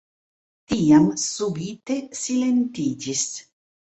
Tiam subite silentiĝis.